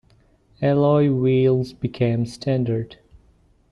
Alloy wheels became standard.